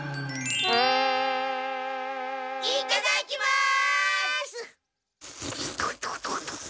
いただきます！